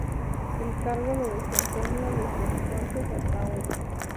El cargo lo desempeña desde entonces hasta hoy.